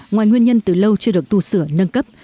ngoài nguyên nhân từ lâu chưa được tu sửa nâng cấp